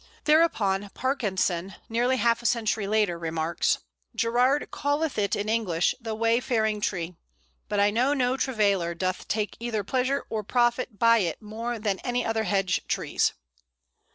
Thereupon Parkinson, nearly half a century later, remarks: "Gerard calleth it in English the Wayfaring tree, but I know no travailer doth take either pleasure or profit by it more than by any other hedge trees."